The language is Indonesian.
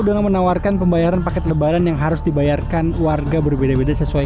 dengan menawarkan pembayaran paket lebaran yang harus dibayarkan warga berbeda beda sesuai